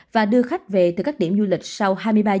và đưa khách về từ các điểm du lịch sau hai mươi ba h